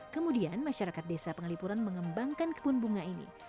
kemudian masyarakat desa pengalipuran mengembangkan kebun bunga ini